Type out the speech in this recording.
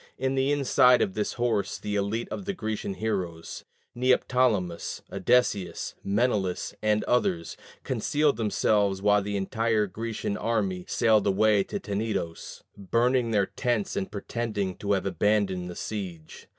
In the inside of this horse the elite of the Grecian heroes, Neoptolemus, Odysseus, Menelaus, and others, concealed themselves while the entire Grecian army sailed away to Tenedos, burning their tents and pretending to have abandoned the siege.